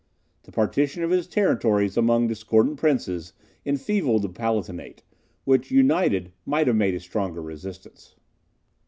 The partition of his territories among discordant princes, enfeebled the Palatinate, which, united, might have made a longer resistance.